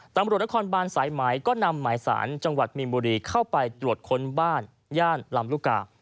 ตำรวจนครบานสายไหมก็นำหมายสารจังหวัดมีนบุรีเข้าไปตรวจค้นบ้านย่านลำลูกกา